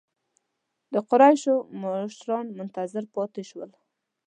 د قریشو مشران منتظر پاتې شول.